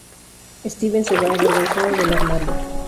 Steven se va avergonzado del armario.